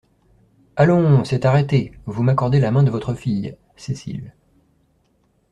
Allons ! c’est arrêté ; Vous m’accordez la main de votre fille." Cécile.